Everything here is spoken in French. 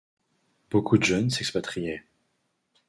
Beaucoup de jeunes s’expatriaient.